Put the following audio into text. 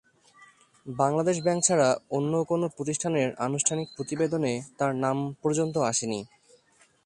Bangladesh Bank ছাড়া অন্য কোনো প্রতিষ্ঠানের আনুষ্ঠানিক প্রতিবেদনে তাঁর নাম পর্যন্তও আসেনি।